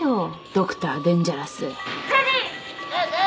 『ドクターデンジャラス』レディー。